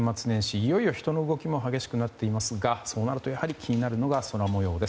いよいよ人の動きも激しくなっていますがそうなると気になるのが空模様です。